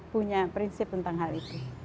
punya prinsip tentang hal itu